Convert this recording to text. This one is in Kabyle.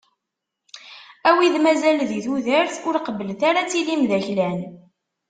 A wid mazal di tudert, ur qebblet ara ad tilim d aklan.